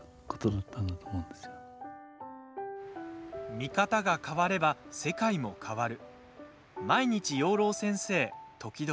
見方が変われば世界も変わる。